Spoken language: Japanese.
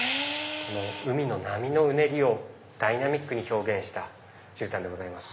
海の波のうねりをダイナミックに表現した絨毯でございます。